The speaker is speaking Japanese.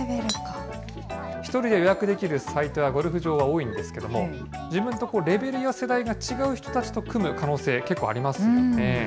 １人で予約できるサイトやゴルフ場は多いんですけれども、自分とレベルや世代が違う人たちと組む可能性、結構ありますよね。